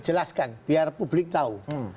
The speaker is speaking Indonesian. jelaskan biar publik tahu